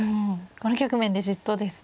この局面でじっとですね。